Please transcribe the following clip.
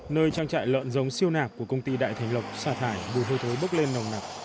nơi trang trại lợn giống siêu nạc của công ty đại thành lộc xả thải mùi hôi thối bốc lên nồng nặc